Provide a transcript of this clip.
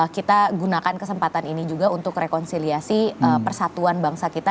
kita gunakan kesempatan ini juga untuk rekonsiliasi persatuan bangsa kita